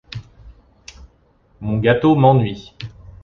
Mon gâteau m’ennuie.